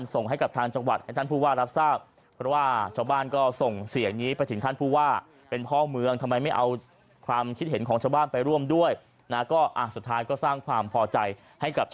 ที่จะเอาคนที่อื่นที่ติดโรคมาไว้ที่นี่